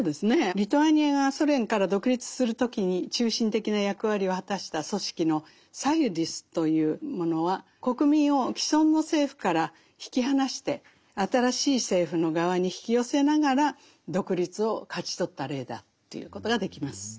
リトアニアがソ連から独立する時に中心的な役割を果たした組織のサユディスというものは国民を既存の政府から引き離して新しい政府の側に引き寄せながら独立を勝ち取った例だと言うことができます。